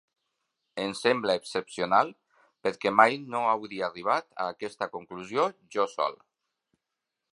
Em sembla excepcional, perquè mai no hauria arribat a aquesta conclusió jo sol.